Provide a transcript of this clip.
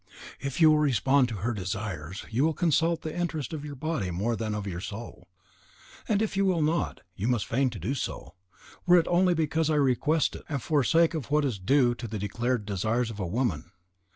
If you will respond to her desires, you will consult the interest of your body more than of your soul; and if you will not, you must feign to do so, were it only because I request it, and for sake of what is due to the declared desires of a woman."